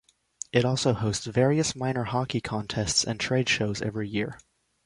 It also hosts various minor hockey contests and trade shows every year.